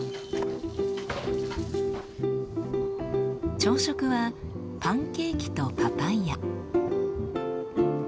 朝食はパンケーキとパパイヤ。